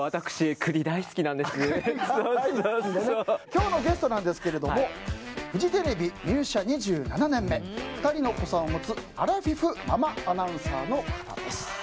今日のゲストですがフジテレビ入社２７面目２人のお子さんを持つアラフィフママアナウンサーの方。